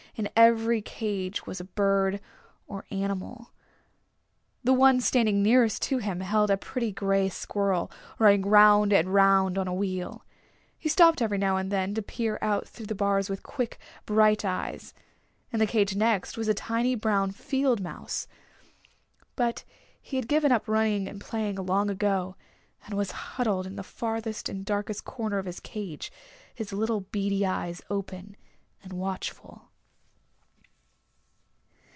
In every cage was a bird or animal. The one standing nearest to him held a pretty gray squirrel, running 'round and 'round on a wheel. He stopped every now and then to peer out through the bars with quick, bright eyes. In the cage next was a tiny brown field mouse. But he had given up running and playing long ago, and was huddled in the farthest and darkest corner of his cage, his little beady eyes open and watchful.